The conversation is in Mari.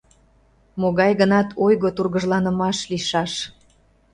Могай-гынат ойго-тургыжланымаш лийшаш.